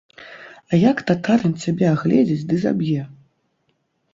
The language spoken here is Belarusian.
А як татарын цябе агледзіць ды заб'е?